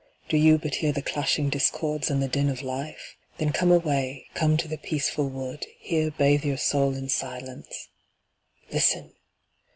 Do you but hear the clashing discords and the din of life? Then come away, come to the peaceful wood, Here bathe your soul in silence. Listen!